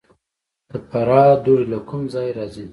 د فراه دوړې له کوم ځای راځي؟